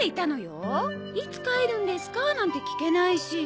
「いつ帰るんですか？」なんて聞けないし。